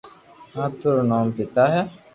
ھاتوا رو نوم ببتا ھي